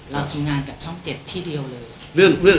เราทำงานกับช่อง๗ที่เดียวเลย